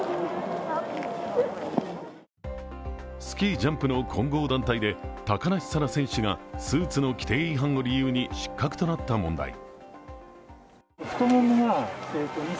スキージャンプの混合団体で高梨沙羅選手がスーツの規定違反を理由に失格となった問題。